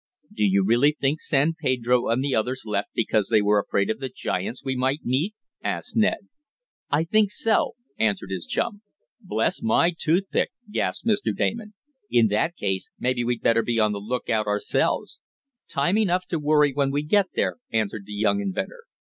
"Do you really think San Pedro and the others left because they were afraid of the giants we might meet?" asked Ned. "I think so," answered his chum. "Bless my toothpick!" gasped Mr. Damon. "In that case maybe we'd better be on the lookout ourselves." "Time enough to worry when we get there," answered the young inventor.